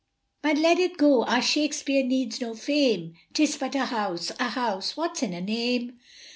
But let it go, our Shakespeare needs no fame, 'Tis but a house! a house! "What's in a name?"